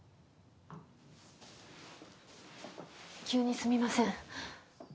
急にすみません。